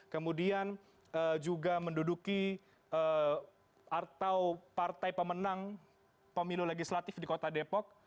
kemudian juga menduduki atau partai pemenang pemilu legislatif di kota depok